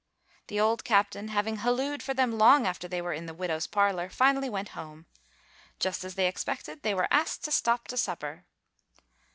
The old captain having hallooed for them long after they were in the widow's parlor, finally went home. Just as they expected, they were asked to stop to supper.